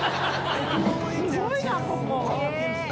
すごいなここ。